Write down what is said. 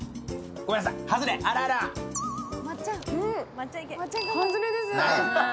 ごめんなさい、外れ。